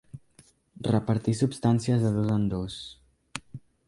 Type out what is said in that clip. Repartir substàncies de dos en dos.